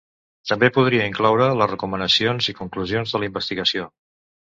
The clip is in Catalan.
També podria incloure les recomanacions i conclusions de la investigació.